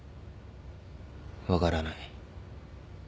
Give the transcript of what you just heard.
分からない。